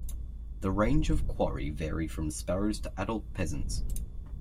The range of quarry vary from sparrows to adult pheasants.